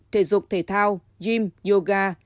thể dục thể thao gym yoga